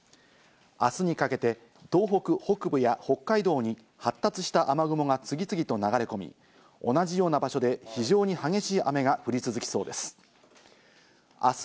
明日にかけて東北北部や北海道に発達した雨雲が次々と流れ込み、同じような場所で非常に激しい雨が降り続きそうです。